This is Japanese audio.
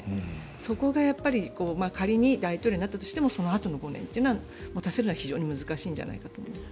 そこが仮に大統領になったとしてもそのあとを持たせるのは非常に難しいんじゃないかと思います。